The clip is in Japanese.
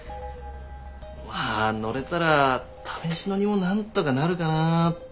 まあ乗れたら試し乗りもなんとかなるかなって。